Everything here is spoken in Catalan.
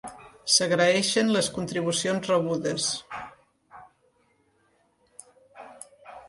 S'agraeixen les contribucions rebudes